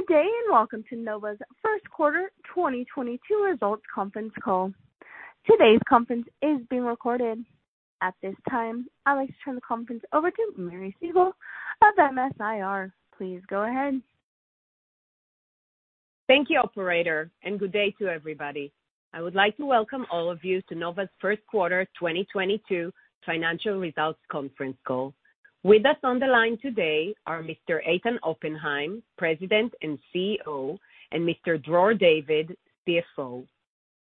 Good day, and welcome to Nova's First Quarter 2022 Results Conference Call. Today's conference is being recorded. At this time, I'd like to turn the conference over to Miri Segal of MS-IR. Please go ahead. Thank you, operator, and good day to everybody. I would like to welcome all of you to Nova's First Quarter 2022 Financial Results Conference Call. With us on the line today are Mr. Eitan Oppenhaim, President and CEO, and Mr. Dror David, CFO.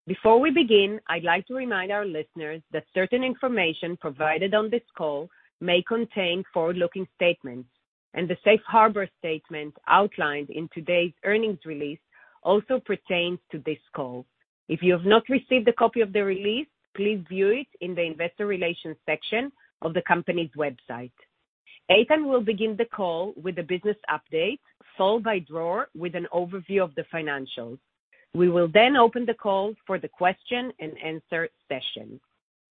Before we begin, I'd like to remind our listeners that certain information provided on this call may contain forward-looking statements and the safe harbor statement outlined in today's earnings release also pertains to this call. If you have not received a copy of the release, please view it in the investor relations section of the company's website. Eitan will begin the call with a business update, followed by Dror with an overview of the financials. We will then open the call for the question and answer session.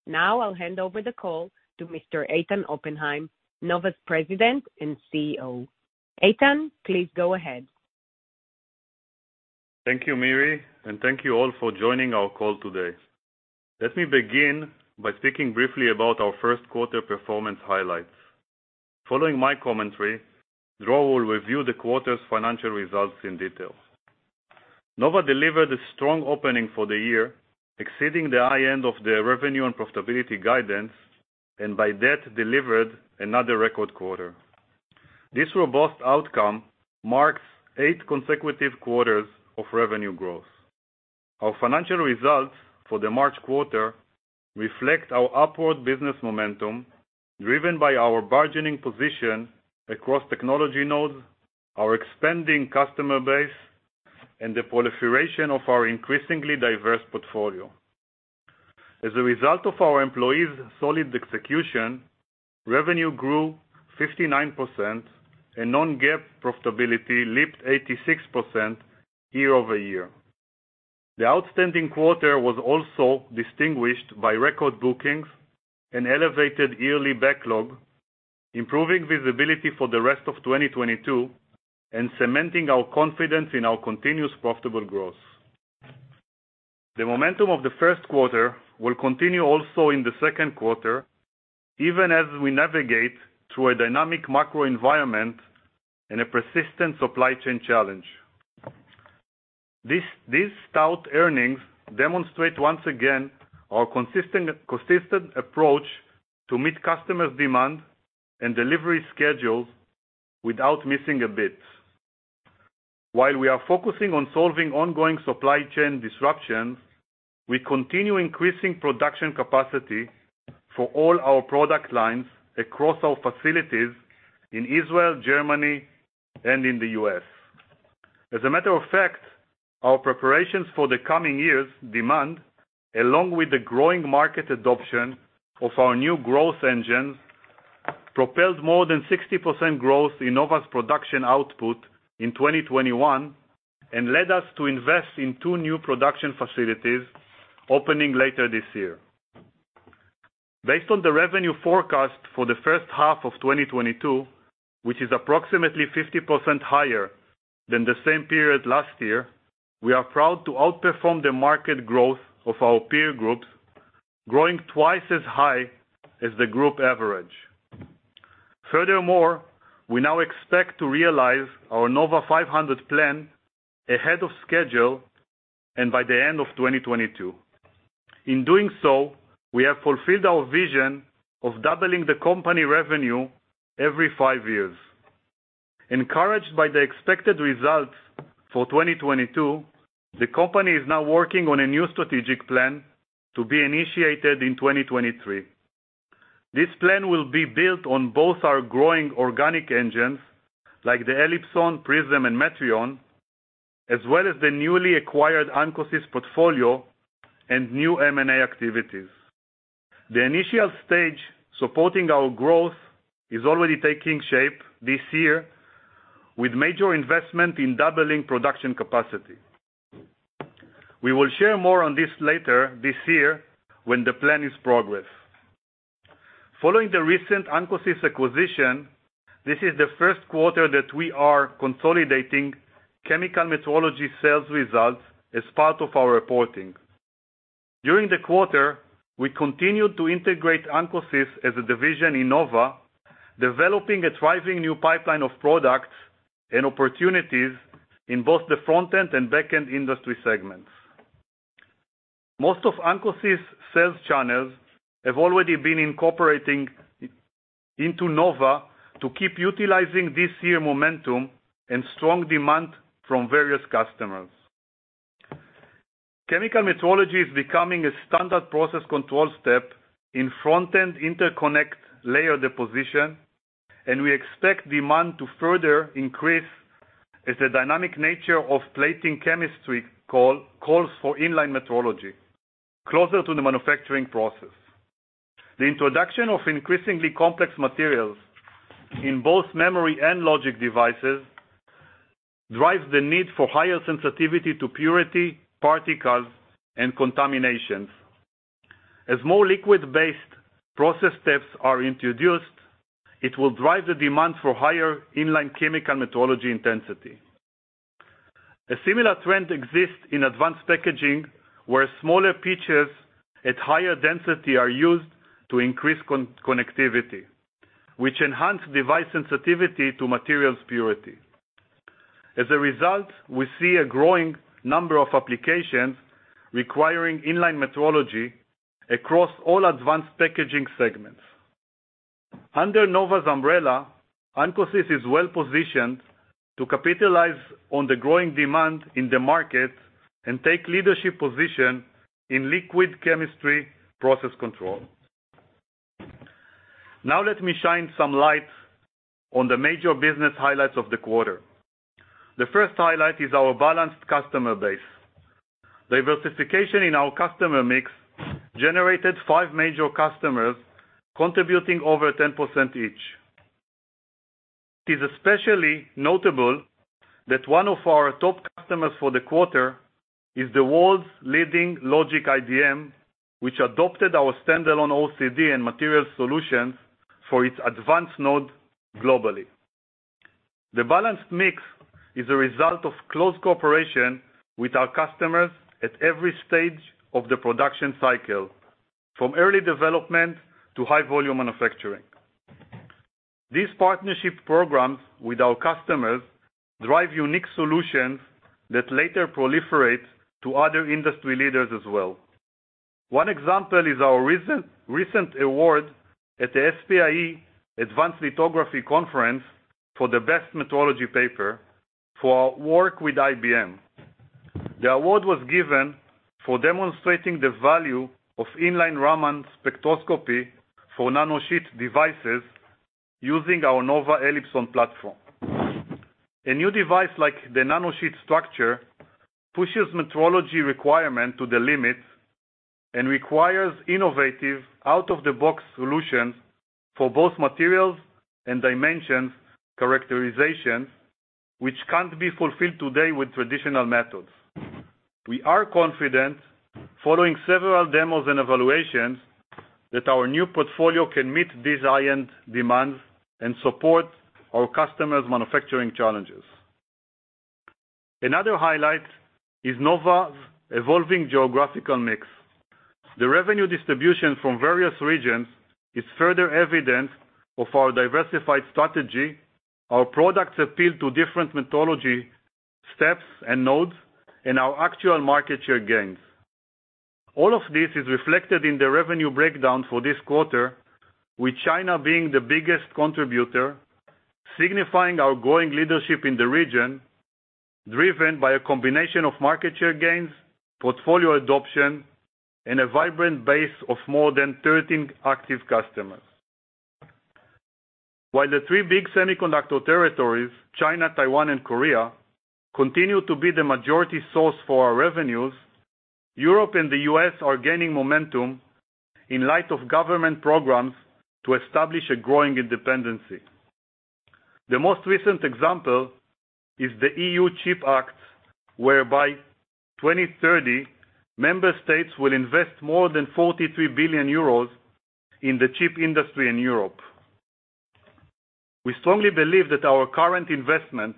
Now I'll hand over the call to Mr. Eitan Oppenhaim, Nova's President and CEO. Eitan, please go ahead. Thank you, Miri, and thank you all for joining our call today. Let me begin by speaking briefly about our first quarter performance highlights. Following my commentary, Dror will review the quarter's financial results in detail. Nova delivered a strong opening for the year, exceeding the high end of the revenue and profitability guidance, and by that delivered another record quarter. This robust outcome marks eight consecutive quarters of revenue growth. Our financial results for the March quarter reflect our upward business momentum, driven by our bargaining position across technology nodes, our expanding customer base, and the proliferation of our increasingly diverse portfolio. As a result of our employees' solid execution, revenue grew 59% and non-GAAP profitability leaped 86% year-over-year. The outstanding quarter was also distinguished by record bookings and elevated yearly backlog, improving visibility for the rest of 2022 and cementing our confidence in our continuous profitable growth. The momentum of the first quarter will continue also in the second quarter, even as we navigate through a dynamic macro environment and a persistent supply chain challenge. These strong earnings demonstrate once again our consistent approach to meet customers' demand and delivery schedules without missing a beat. While we are focusing on solving ongoing supply chain disruptions, we continue increasing production capacity for all our product lines across our facilities in Israel, Germany, and in the U.S. As a matter of fact, our preparations for the coming years' demand, along with the growing market adoption of our new growth engines, propelled more than 60% growth in Nova's production output in 2021 and led us to invest in two new production facilities opening later this year. Based on the revenue forecast for the first half of 2022, which is approximately 50% higher than the same period last year, we are proud to outperform the market growth of our peer groups, growing twice as high as the group average. Furthermore, we now expect to realize our Nova500 plan ahead of schedule and by the end of 2022. In doing so, we have fulfilled our vision of doubling the company revenue every five years. Encouraged by the expected results for 2022, the company is now working on a new strategic plan to be initiated in 2023. This plan will be built on both our growing organic engines, like the Elipson, Prism, and Metrion, as well as the newly acquired Ancosys portfolio and new M&A activities. The initial stage supporting our growth is already taking shape this year with major investment in doubling production capacity. We will share more on this later this year when the plan is in progress. Following the recent Ancosys acquisition, this is the first quarter that we are consolidating chemical metrology sales results as part of our reporting. During the quarter, we continued to integrate Ancosys as a division in Nova, developing a thriving new pipeline of products and opportunities in both the front-end and back-end industry segments. Most of Ancosys' sales channels have already been incorporating into Nova to keep utilizing this year's momentum and strong demand from various customers. Chemical metrology is becoming a standard process control step in front-end interconnect layer deposition, and we expect demand to further increase as the dynamic nature of plating chemistry calls for in-line metrology closer to the manufacturing process. The introduction of increasingly complex materials in both memory and logic devices drives the need for higher sensitivity to purity, particles, and contaminations. As more liquid-based process steps are introduced, it will drive the demand for higher in-line chemical metrology intensity. A similar trend exists in advanced packaging, where smaller pitches at higher density are used to increase connectivity, which enhance device sensitivity to materials purity. As a result, we see a growing number of applications requiring in-line metrology across all advanced packaging segments. Under Nova's umbrella, Ancosys is well-positioned to capitalize on the growing demand in the market and take leadership position in liquid chemistry process control. Now let me shine some light on the major business highlights of the quarter. The first highlight is our balanced customer base. Diversification in our customer mix generated five major customers contributing over 10% each. It is especially notable that one of our top customers for the quarter is the world's leading logic IDM, which adopted our standalone OCD and material solutions for its advanced node globally. The balanced mix is a result of close cooperation with our customers at every stage of the production cycle, from early development to high volume manufacturing. These partnership programs with our customers drive unique solutions that later proliferate to other industry leaders as well. One example is our recent award at the SPIE Advanced Lithography Conference for the best metrology paper for our work with IBM. The award was given for demonstrating the value of in-line Raman spectroscopy for nanosheet devices using our Nova Elipson platform. A new device like the nanosheet structure pushes metrology requirement to the limits and requires innovative out-of-the-box solutions for both materials and dimensions characterization, which can't be fulfilled today with traditional methods. We are confident, following several demos and evaluations, that our new portfolio can meet these high-end demands and support our customers' manufacturing challenges. Another highlight is Nova's evolving geographical mix. The revenue distribution from various regions is further evidence of our diversified strategy, our products appeal to different metrology steps and nodes, and our actual market share gains. All of this is reflected in the revenue breakdown for this quarter, with China being the biggest contributor, signifying our growing leadership in the region, driven by a combination of market share gains, portfolio adoption, and a vibrant base of more than 13 active customers. While the three big semiconductor territories, China, Taiwan, and Korea, continue to be the majority source for our revenues, Europe and the U.S. are gaining momentum in light of government programs to establish a growing independence. The most recent example is the European Chips Act, where by 2030, member states will invest more than 43 billion euros in the chip industry in Europe. We strongly believe that our current investment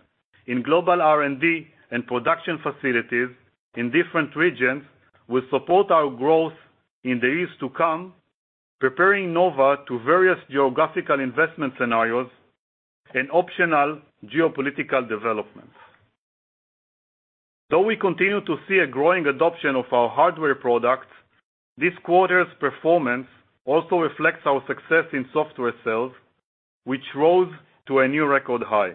in global R&D and production facilities in different regions will support our growth in the years to come, preparing Nova for various geographical investment scenarios and potential geopolitical developments. Though we continue to see a growing adoption of our hardware products, this quarter's performance also reflects our success in software sales, which rose to a new record high.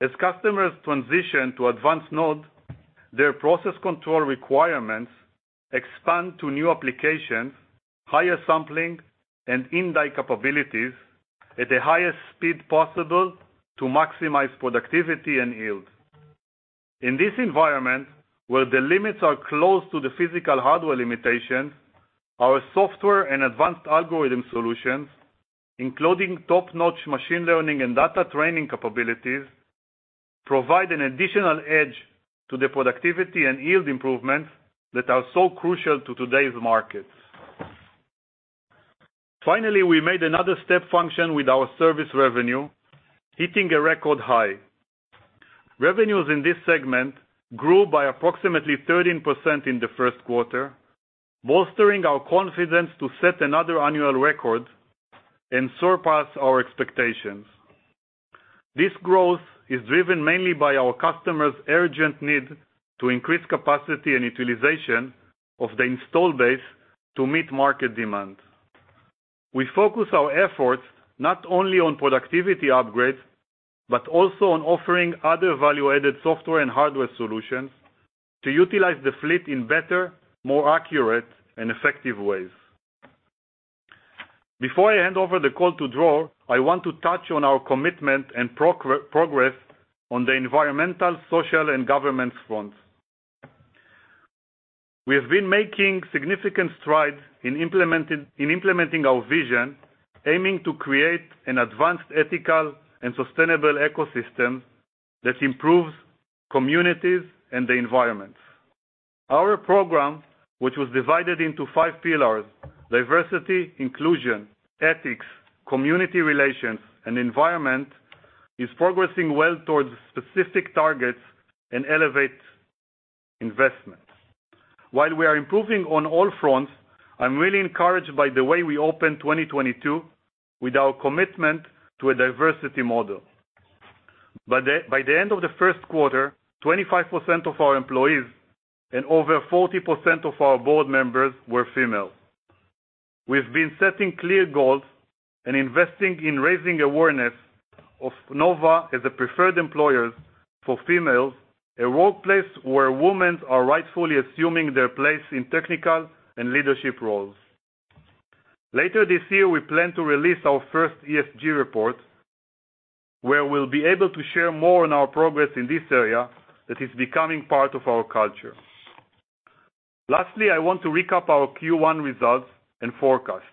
As customers transition to advanced node, their process control requirements expand to new applications, higher sampling, and in-die capabilities at the highest speed possible to maximize productivity and yield. In this environment, where the limits are close to the physical hardware limitations, our software and advanced algorithm solutions, including top-notch machine learning and data training capabilities, provide an additional edge to the productivity and yield improvements that are so crucial to today's markets. Finally, we made another step function with our service revenue, hitting a record high. Revenues in this segment grew by approximately 13% in the first quarter, bolstering our confidence to set another annual record and surpass our expectations. This growth is driven mainly by our customers' urgent need to increase capacity and utilization of the install base to meet market demand. We focus our efforts not only on productivity upgrades, but also on offering other value-added software and hardware solutions to utilize the fleet in better, more accurate, and effective ways. Before I hand over the call to Dror, I want to touch on our commitment and progress on the environmental, social, and governance front. We have been making significant strides in implementing our vision, aiming to create an advanced ethical and sustainable ecosystem that improves communities and the environment. Our program, which was divided into five pillars, diversity, inclusion, ethics, community relations, and environment, is progressing well towards specific targets and elevate investments. While we are improving on all fronts, I'm really encouraged by the way we opened 2022 with our commitment to a diversity model. By the end of the first quarter, 25% of our employees and over 40% of our board members were female. We've been setting clear goals and investing in raising awareness of Nova as a preferred employer for females, a workplace where women are rightfully assuming their place in technical and leadership roles. Later this year, we plan to release our first ESG report, where we'll be able to share more on our progress in this area that is becoming part of our culture. Lastly, I want to recap our Q1 results and forecast.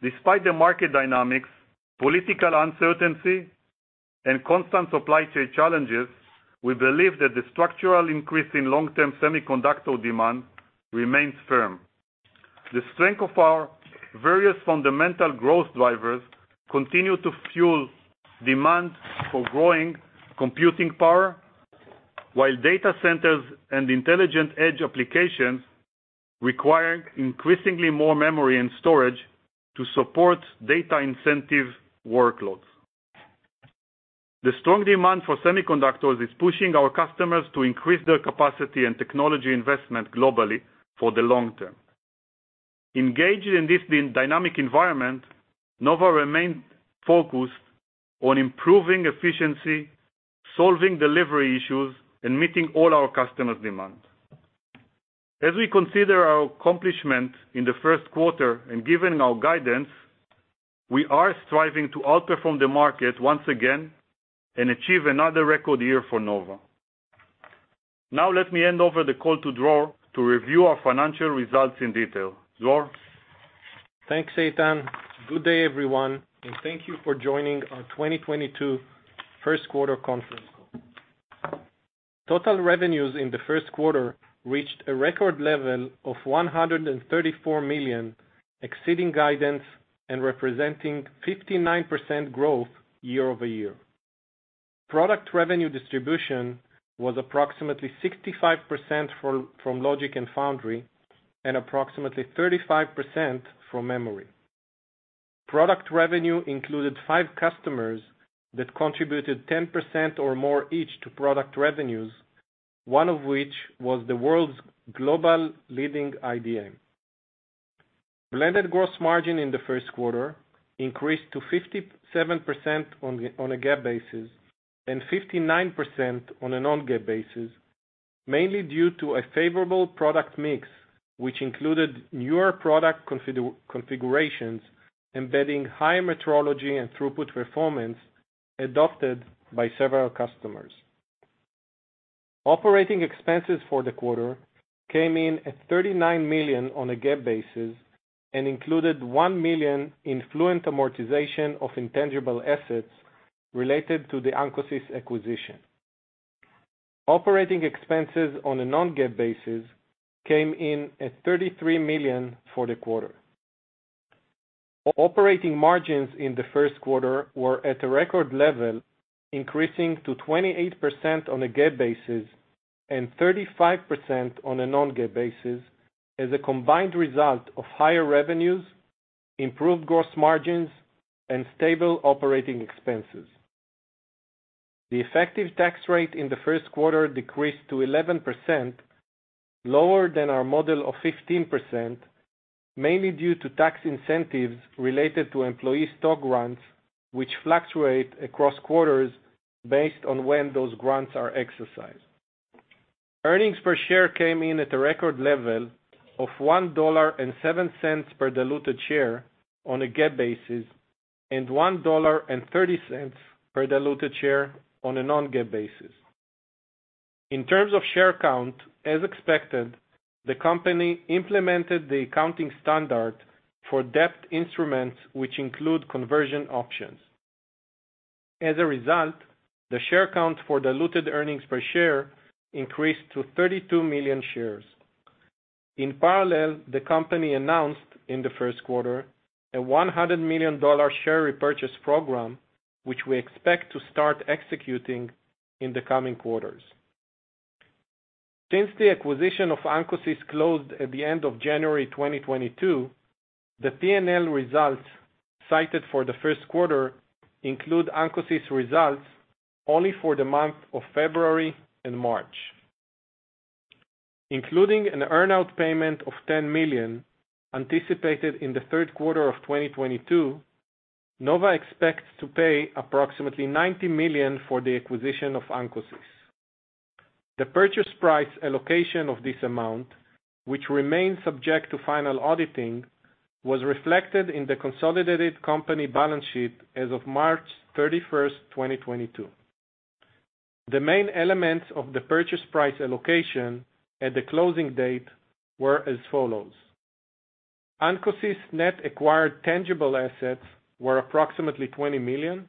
Despite the market dynamics, political uncertainty, and constant supply chain challenges, we believe that the structural increase in long-term semiconductor demand remains firm. The strength of our various fundamental growth drivers continue to fuel demand for growing computing power, while data centers and intelligent edge applications require increasingly more memory and storage to support data incentive workloads. The strong demand for semiconductors is pushing our customers to increase their capacity and technology investment globally for the long term. Engaged in this dynamic environment, Nova remains focused on improving efficiency, solving delivery issues, and meeting all our customers' demands. As we consider our accomplishment in the first quarter and given our guidance, we are striving to outperform the market once again and achieve another record year for Nova. Now let me hand over the call to Dror to review our financial results in detail. Dror. Thanks, Eitan. Good day, everyone, and thank you for joining our 2022 First Quarter Conference Call. Total revenues in the first quarter reached a record level of $134 million, exceeding guidance and representing 59% growth year-over-year. Product revenue distribution was approximately 65% from logic and foundry, and approximately 35% from memory. Product revenue included five customers that contributed 10% or more each to product revenues, one of which was the world's global leading IDM. Blended gross margin in the first quarter increased to 57% on a GAAP basis and 59% on a non-GAAP basis, mainly due to a favorable product mix, which included newer product configurations embedding higher metrology and throughput performance adopted by several customers. Operating expenses for the quarter came in at $39 million on a GAAP basis and included $1 million in non-cash amortization of intangible assets related to the Ancosys acquisition. Operating expenses on a non-GAAP basis came in at $33 million for the quarter. Operating margins in the first quarter were at a record level, increasing to 28% on a GAAP basis and 35% on a non-GAAP basis as a combined result of higher revenues, improved gross margins, and stable operating expenses. The effective tax rate in the first quarter decreased to 11%, lower than our model of 15%, mainly due to tax incentives related to employee stock grants, which fluctuate across quarters based on when those grants are exercised. Earnings per share came in at a record level of $1.07 per diluted share on a GAAP basis, and $1.30 per diluted share on a non-GAAP basis. In terms of share count, as expected, the company implemented the accounting standard for debt instruments, which include conversion options. As a result, the share count for diluted earnings per share increased to 32 million shares. In parallel, the company announced in the first quarter a $100 million share repurchase program, which we expect to start executing in the coming quarters. Since the acquisition of Ancosys closed at the end of January 2022, the P&L results cited for the first quarter include Ancosys results only for the month of February and March. Including an earn out payment of $10 million anticipated in the third quarter of 2022, Nova expects to pay approximately $90 million for the acquisition of Ancosys. The purchase price allocation of this amount, which remains subject to final auditing, was reflected in the consolidated company balance sheet as of March 31st, 2022. The main elements of the purchase price allocation at the closing date were as follows. Ancosys net acquired tangible assets were approximately $20 million.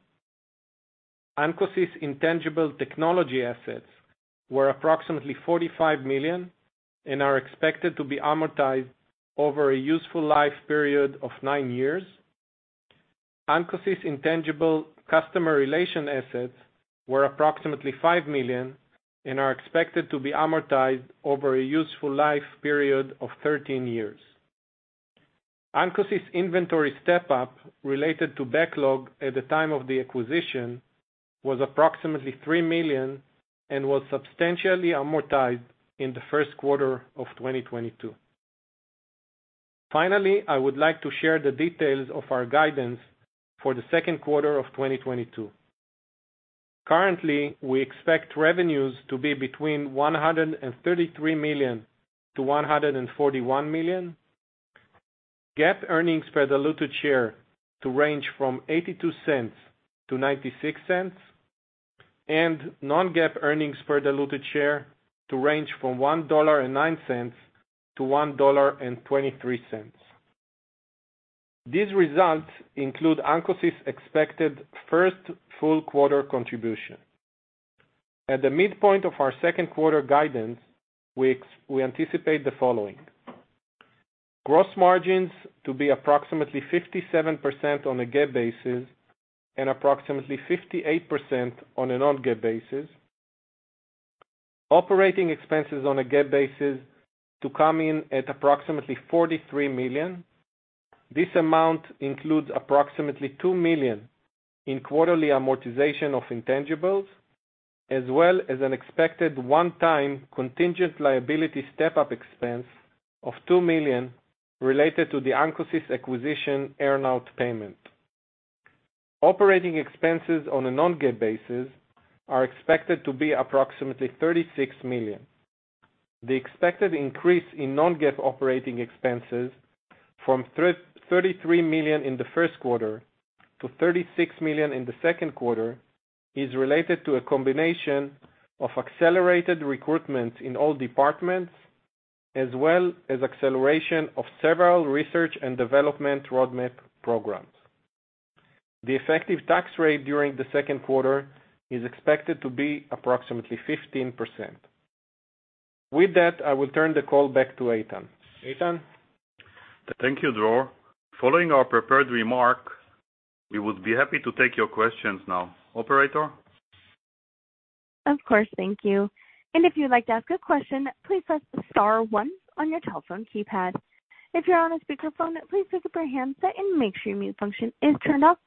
Ancosys intangible technology assets were approximately $45 million and are expected to be amortized over a useful life period of nine years. Ancosys intangible customer relation assets were approximately $5 million and are expected to be amortized over a useful life period of 13 years. Ancosys inventory step up related to backlog at the time of the acquisition was approximately $3 million and was substantially amortized in the first quarter of 2022. Finally, I would like to share the details of our guidance for the second quarter of 2022. Currently, we expect revenues to be between $133 million-$141 million. GAAP earnings per diluted share to range from $0.82 to $0.96, and non-GAAP earnings per diluted share to range from $1.09-$1.23. These results include Ancosys expected first full quarter contribution. At the midpoint of our second quarter guidance, we anticipate the following. Gross margins to be approximately 57% on a GAAP basis and approximately 58% on a non-GAAP basis. Operating expenses on a GAAP basis to come in at approximately $43 million. This amount includes approximately $2 million in quarterly amortization of intangibles, as well as an expected one-time contingent liability step-up expense of $2 million related to the Ancosys acquisition earn out payment. Operating expenses on a non-GAAP basis are expected to be approximately $36 million. The expected increase in non-GAAP operating expenses from $33 million in the first quarter to $36 million in the second quarter is related to a combination of accelerated recruitment in all departments, as well as acceleration of several research and development roadmap programs. The effective tax rate during the second quarter is expected to be approximately 15%. With that, I will turn the call back to Eitan. Eitan? Thank you, Dror. Following our prepared remark, we would be happy to take your questions now. Operator? Of course. Thank you. If you'd like to ask a question, please press star one on your telephone keypad. If you're on a speakerphone, please pick up your handset and make sure your mute function is turned off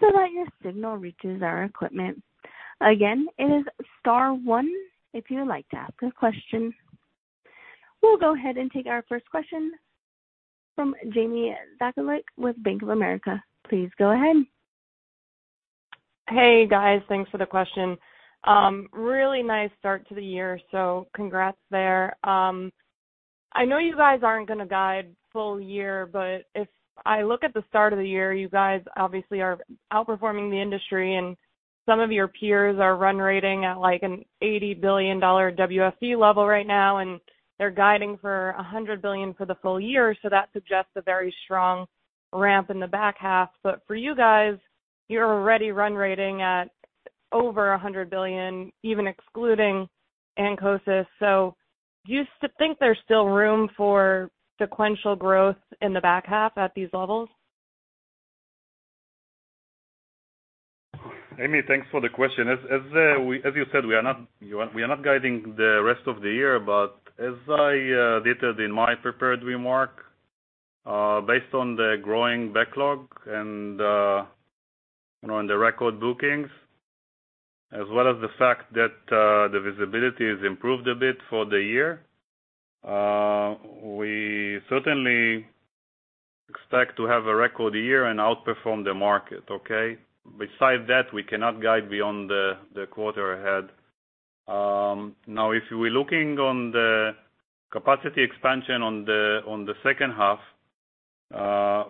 so that your signal reaches our equipment. Again, it is star one, if you would like to ask a question. We'll go ahead and take our first question from Jamie Zakalik with Bank of America. Please go ahead. Hey, guys. Thanks for the question. Really nice start to the year. Congrats there. I know you guys aren't gonna guide full year, but if I look at the start of the year, you guys obviously are outperforming the industry, and some of your peers are run rating at, like, an $80 billion WFE level right now, and they're guiding for $100 billion for the full year. That suggests a very strong ramp in the back half. For you guys, you're already run rating at over $100 billion, even excluding Ancosys. Do you think there's still room for sequential growth in the back half at these levels? Jamie Zakalik, thanks for the question. As you said, we are not guiding the rest of the year. As I detailed in my prepared remark, based on the growing backlog and, you know, and the record bookings, as well as the fact that the visibility has improved a bit for the year, we certainly expect to have a record year and outperform the market, okay? Besides that, we cannot guide beyond the quarter ahead. Now, if we're looking on the capacity expansion on the second half,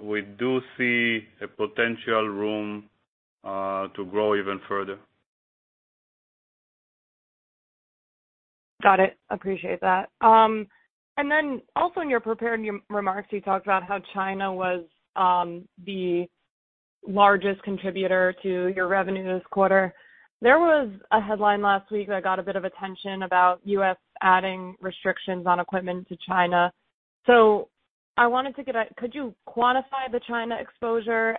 we do see a potential room to grow even further. Got it. Appreciate that. In your prepared remarks, you talked about how China was the largest contributor to your revenue this quarter. There was a headline last week that got a bit of attention about U.S. adding restrictions on equipment to China. Could you quantify the China exposure?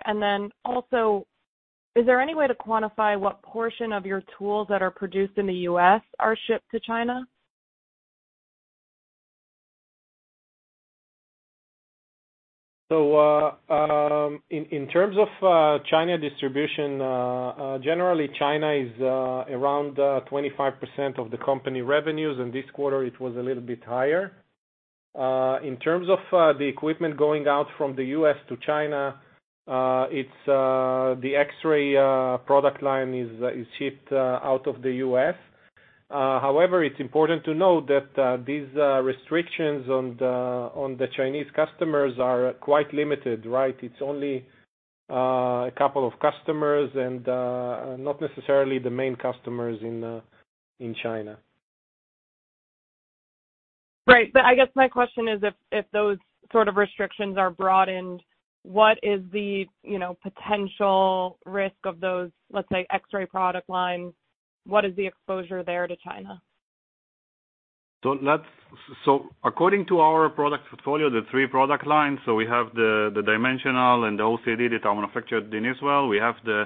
Is there any way to quantify what portion of your tools that are produced in the U.S. are shipped to China? In terms of China distribution, generally, China is around 25% of the company revenues. In this quarter, it was a little bit higher. In terms of the equipment going out from the U.S. to China, it's the X-ray product line is shipped out of the U.S. However, it's important to note that these restrictions on the Chinese customers are quite limited, right? It's only a couple of customers and not necessarily the main customers in China. Right. I guess my question is if those sort of restrictions are broadened, what is the, you know, potential risk of those, let's say, X-ray product lines? What is the exposure there to China? According to our product portfolio, the three product lines, we have the dimensional and the OCD that are manufactured in Israel. We have the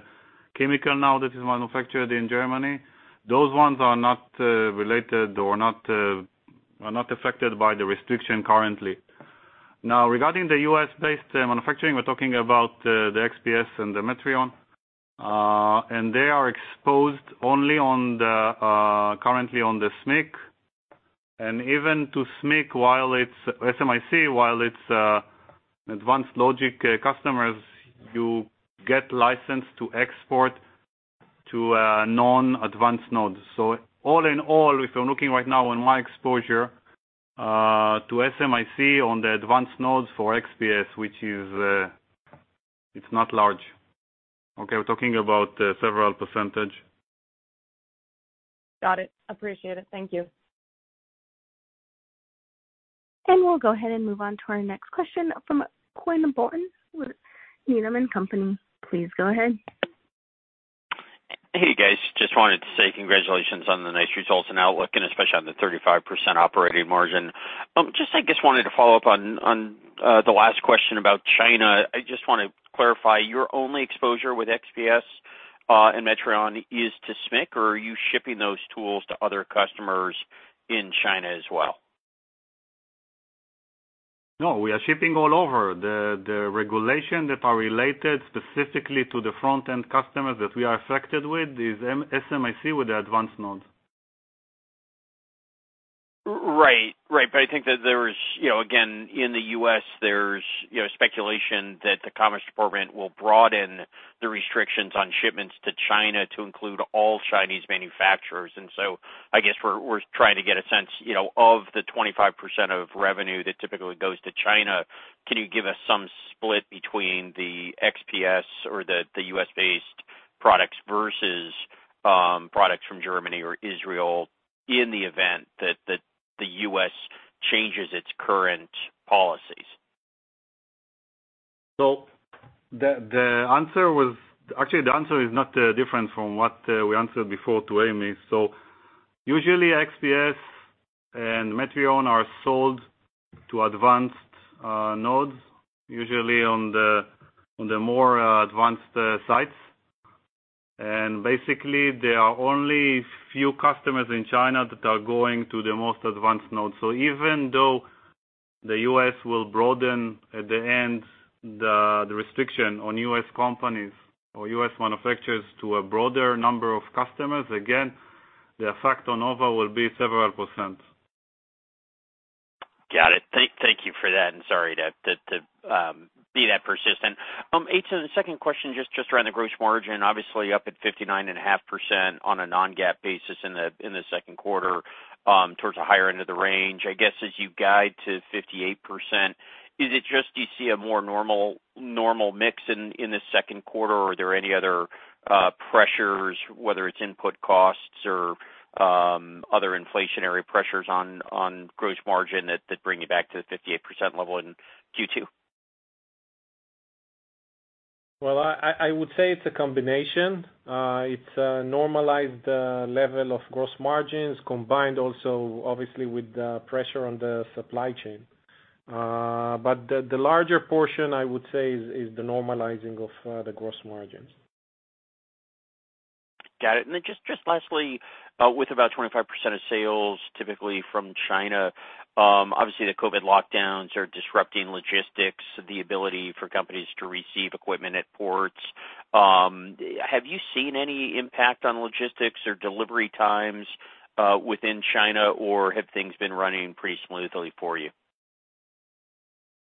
chemical now that is manufactured in Germany. Those ones are not related or are not affected by the restriction currently. Now, regarding the U.S.-based manufacturing, we're talking about the XPS and the Metrion. They are exposed only currently to the SMIC. Even to SMIC, while it's advanced logic customers, you get licensed to export to non-advanced nodes. All in all, if I'm looking right now on my exposure to SMIC on the advanced nodes for XPS, which is it's not large. Okay? We're talking about several%. Got it. Appreciate it. Thank you. We'll go ahead and move on to our next question from Quinn Bolton with Needham & Company. Please go ahead. Hey, guys. Just wanted to say congratulations on the nice results and outlook, and especially on the 35% operating margin. Just I guess wanted to follow up on the last question about China. I just wanna clarify, your only exposure with XPS and Metrion is to SMIC, or are you shipping those tools to other customers in China as well? No, we are shipping all over. The regulation that are related specifically to the front-end customers that we are affected with is SMIC with the advanced nodes. Right. I think that there is, you know, again, in the U.S., there's, you know, speculation that the Commerce Department will broaden the restrictions on shipments to China to include all Chinese manufacturers. I guess we're trying to get a sense, you know, of the 25% of revenue that typically goes to China. Can you give us some split between the XPS or the U.S.-based products vs products from Germany or Israel in the event that the U.S. changes its current policies? Actually, the answer is not different from what we answered before to Jamie Zakalik. Usually, XPS and Metrion are sold to advanced nodes, usually on the more advanced sites. Basically, there are only few customers in China that are going to the most advanced nodes. Even though the U.S. will broaden at the end the restriction on U.S. companies or U.S. manufacturers to a broader number of customers, again, the effect on Nova will be several%. Got it. Thank you for that, and sorry to be that persistent. Eitan, the second question, just around the gross margin, obviously up at 59.5% on a non-GAAP basis in the second quarter, towards the higher end of the range. I guess as you guide to 58%, is it just do you see a more normal mix in the second quarter, or are there any other pressures, whether it's input costs or other inflationary pressures on gross margin that bring you back to the 58% level in Q2? Well, I would say it's a combination. It's a normalized level of gross margins combined also, obviously, with the pressure on the supply chain. But the larger portion, I would say, is the normalizing of the gross margins. Got it. Then just lastly, with about 25% of sales typically from China, obviously, the COVID lockdowns are disrupting logistics, the ability for companies to receive equipment at ports. Have you seen any impact on logistics or delivery times within China, or have things been running pretty smoothly for you?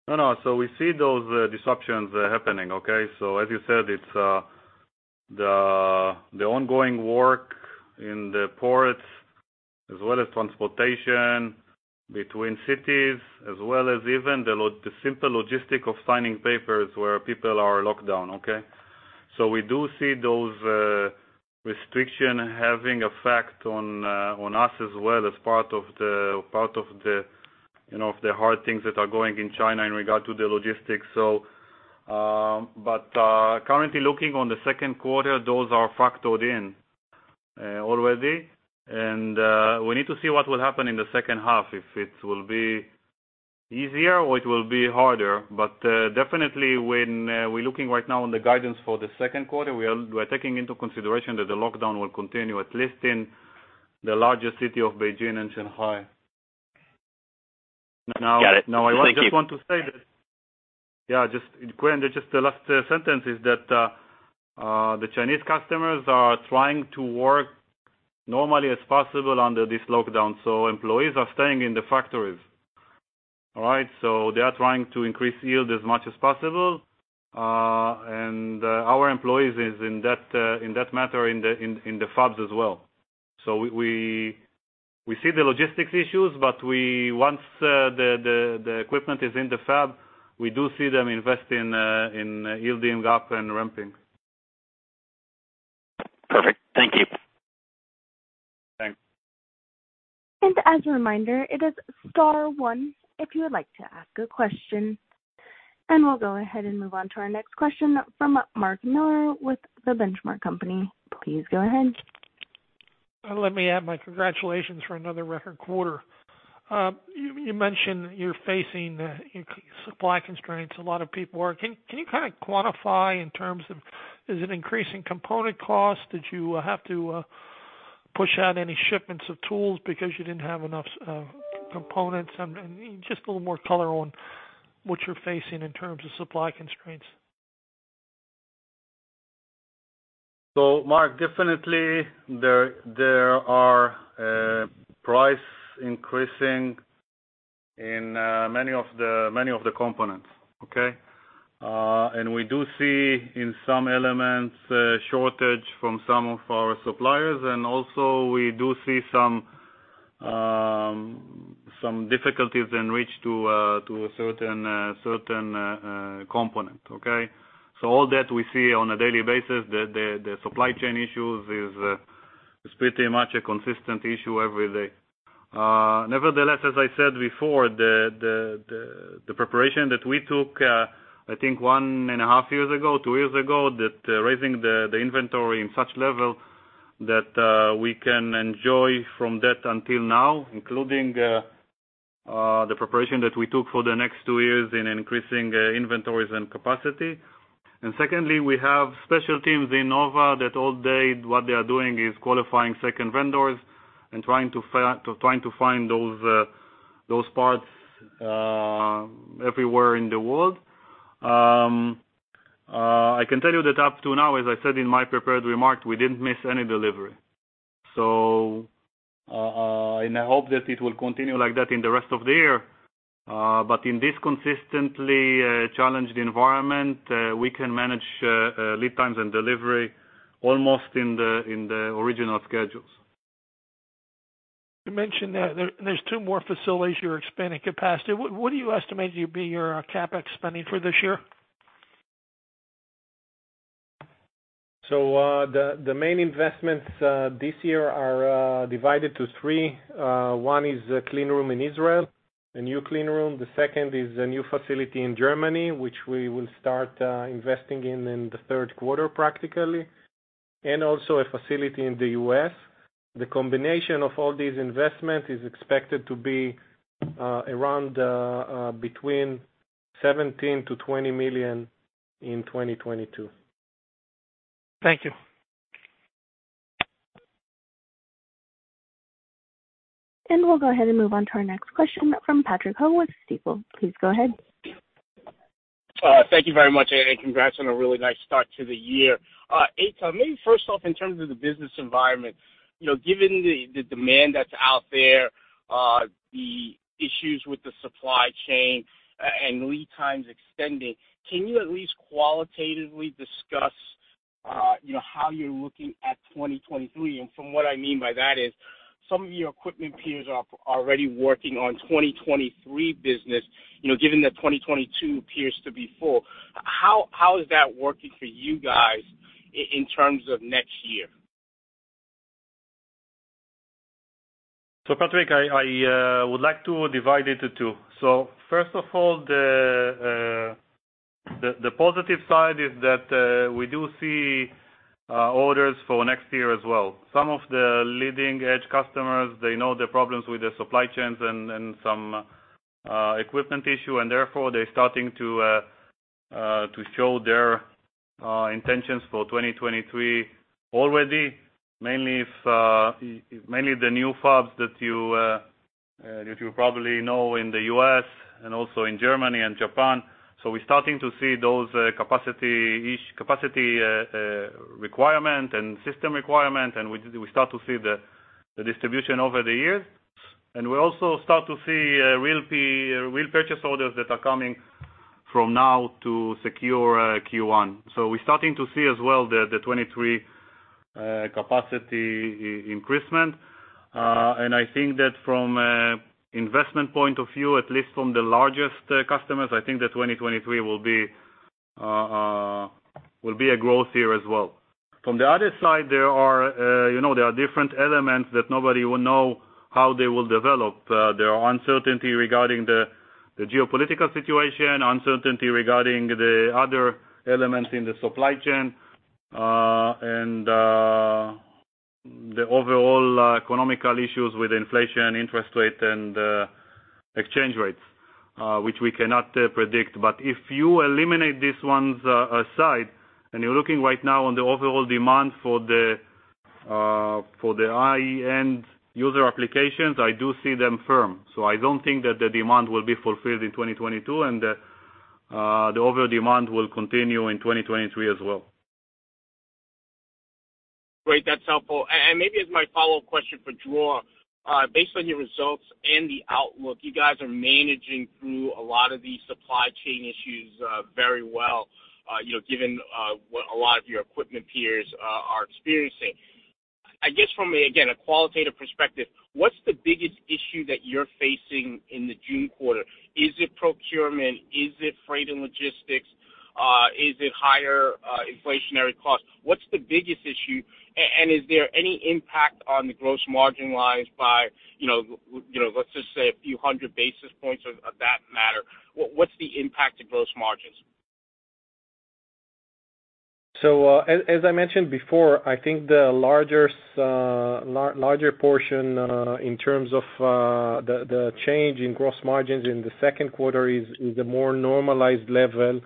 No, no. We see those disruptions happening, okay? As you said, it's the ongoing work in the ports as well as transportation between cities, as well as even the simple logistics of signing papers where people are locked down, okay? We do see those restrictions having effect on us as well as part of the you know of the hard things that are going on in China in regard to the logistics, so. But currently looking at the second quarter, those are factored in already. We need to see what will happen in the second half, if it will be easier or it will be harder. definitely when we're looking right now on the guidance for the second quarter, we are taking into consideration that the lockdown will continue, at least in the larger city of Beijing and Shanghai. Now Got it. Thank you. Now, I just want to say that. Quinn, just the last sentence is that the Chinese customers are trying to work normally as possible under this lockdown. Employees are staying in the factories. All right. They are trying to increase yield as much as possible. And our employees is in that matter in the fabs as well. We see the logistics issues, but once the equipment is in the fab, we do see them investing in yielding up and ramping. Perfect. Thank you. Thanks. As a reminder, it is star one if you would like to ask a question. We'll go ahead and move on to our next question from Mark Miller with The Benchmark Company. Please go ahead. Let me add my congratulations for another record quarter. You mentioned you're facing supply constraints, a lot of people are. Can you kinda quantify in terms of is it increasing component costs? Did you have to push out any shipments of tools because you didn't have enough components? Just a little more color on what you're facing in terms of supply constraints. Mark, definitely there are prices increasing in many of the components. Okay? We do see in some elements a shortage from some of our suppliers, and also we do see some difficulties in reaching a certain component. Okay? All that we see on a daily basis. The supply chain issues is pretty much a consistent issue every day. Nevertheless, as I said before, the preparation that we took, I think one and a half years ago, two years ago, in raising the inventory to such a level that we can enjoy from that until now, including the preparation that we took for the next two years in increasing inventories and capacity. Secondly, we have special teams in Nova that all day what they are doing is qualifying second vendors and trying to find those parts everywhere in the world. I can tell you that up to now, as I said in my prepared remarks, we didn't miss any delivery. I hope that it will continue like that in the rest of the year, but in this consistently challenged environment, we can manage lead times and delivery almost in the original schedules. You mentioned, there's two more facilities you're expanding capacity. What do you estimate will be your CapEx spending for this year? The main investments this year are divided into three. One is a clean room in Israel, a new clean room. The second is a new facility in Germany, which we will start investing in in the third quarter practically, and also a facility in the U.S. The combination of all these investment is expected to be around between $17-$20 million in 2022. Thank you. We'll go ahead and move on to our next question from Patrick Ho with Stifel. Please go ahead. Thank you very much, and congrats on a really nice start to the year. Eitan, maybe first off, in terms of the business environment, you know, given the demand that's out there, the issues with the supply chain and lead times extending, can you at least qualitatively discuss, you know, how you're looking at 2023? From what I mean by that is, some of your equipment peers are already working on 2023 business, you know, given that 2022 appears to be full. How is that working for you guys in terms of next year? Patrick, I would like to divide it to two. First of all, the positive side is that we do see orders for next year as well. Some of the leading-edge customers, they know the problems with the supply chains and some equipment issue, and therefore they're starting to show their intentions for 2023 already, mainly in the new fabs that you probably know in the U.S. and also in Germany and Japan. We're starting to see those capacity requirements and system requirements, and we start to see the distribution over the years. We also start to see real purchase orders that are coming from now to secure Q1. We're starting to see as well the 2023 capacity increasing. I think that from an investment point of view, at least from the largest customers, I think that 2023 will be a growth year as well. From the other side, there are different elements that nobody will know how they will develop. There are uncertainty regarding the geopolitical situation, uncertainty regarding the other elements in the supply chain, and the overall economic issues with inflation, interest rate, and exchange rates, which we cannot predict. But if you eliminate these ones aside, and you're looking right now on the overall demand for the high-end user applications, I do see them firm. I don't think that the demand will be fulfilled in 2022, and the overall demand will continue in 2023 as well. Great. That's helpful. Maybe as my follow-up question for Dror, based on your results and the outlook, you guys are managing through a lot of these supply chain issues very well, you know, given what a lot of your equipment peers are experiencing. I guess from, again, a qualitative perspective, what's the biggest issue that you're facing in the June quarter? Is it procurement? Is it freight and logistics? Is it higher inflationary costs? What's the biggest issue? Is there any impact on the gross margin-wise by, you know, let's just say a few hundred basis points of that matter? What's the impact to gross margins? As I mentioned before, I think the larger portion in terms of the change in gross margins in the second quarter is a more normalized level.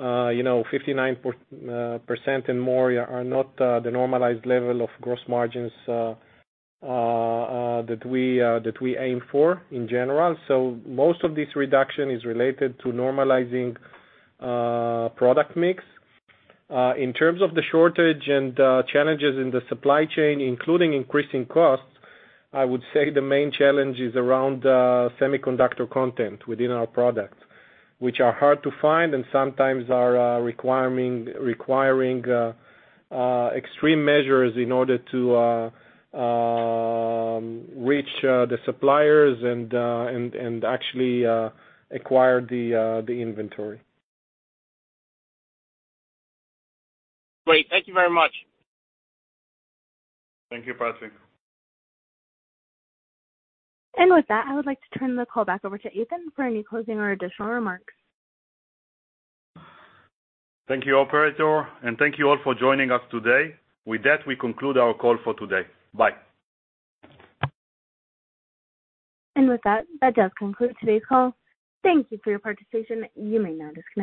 You know, 59% and more are not the normalized level of gross margins that we aim for in general. Most of this reduction is related to normalizing product mix. In terms of the shortage and challenges in the supply chain, including increasing costs, I would say the main challenge is around semiconductor content within our products, which are hard to find and sometimes are requiring extreme measures in order to reach the suppliers and actually acquire the inventory. Great. Thank you very much. Thank you, Patrick. With that, I would like to turn the call back over to Eitan for any closing or additional remarks. Thank you, operator, and thank you all for joining us today. With that, we conclude our call for today. Bye. With that does conclude today's call. Thank you for your participation. You may now disconnect.